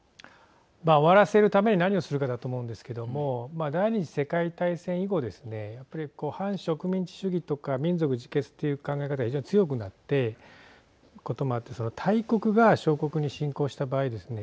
終わらせるために何をするかだと思うんですけども第２次世界大戦以後ですね反植民地主義とか民族自決という考え方が非常に強くなっていくこともあってその大国が小国に侵攻した場合ですね